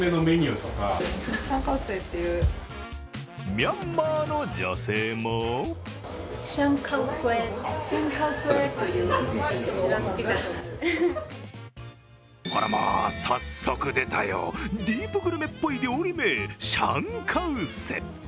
ミャンマーの女性もあらまぁ、早速出たよ、ディープグルメっぽい料理な、シャンカウスェ。